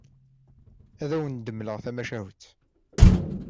Ad awen-d-mleɣ tamacahut.